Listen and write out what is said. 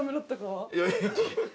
いやいや。